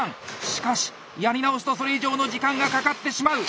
しかしやり直すとそれ以上の時間がかかってしまう。